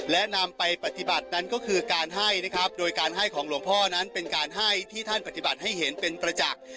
และนำไปปฏิบัตินั้นก็คือการให้นะครับโดยการให้ของหลวงพ่อนั้นเป็นการให้ที่ท่านปฏิบัติให้เห็นเป็นประจักษ์